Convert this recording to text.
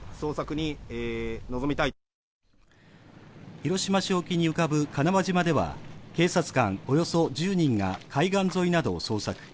広島市沖に浮かぶ金輪島では警察官およそ１０人が海岸沿いなどを捜索。